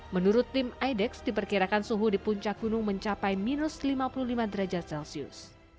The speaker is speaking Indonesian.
menurut tim idex diperkirakan suhu di puncak gunung mencapai minus lima puluh lima derajat celcius